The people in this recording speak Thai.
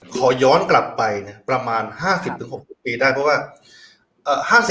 ขอย้อนกลับไปประมาณ๕๐๖๐ปีได้เพราะว่า